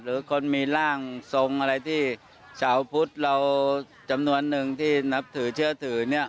หรือคนมีร่างทรงอะไรที่ชาวพุทธเราจำนวนหนึ่งที่นับถือเชื่อถือเนี่ย